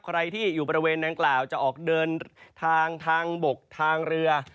ใครที่อยู่บริเวณนางกล่าวจะออกเดินทางทางบกทางเรือ